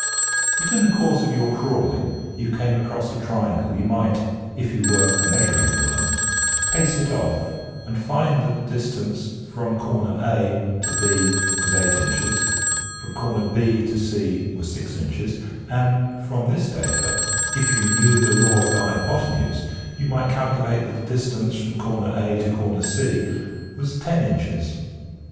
If in the course of your crawling you came across a triangle you might — if you were a measuring worm — pace it off and find that the distance from A to B was 8 inches, from B to C was 6 inches and from this data, if you knew the law of the hypothenuse, you might calculate that the distance from A to C was lo inches.